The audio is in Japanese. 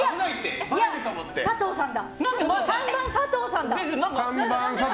３番、佐藤さんだ！